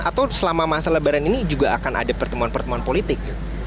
atau selama masa lebaran ini juga akan ada pertemuan pertemuan politik